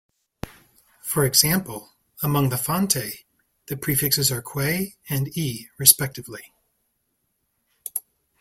For example, among the Fante, the prefixes are "kwe-" and "e-", respectively.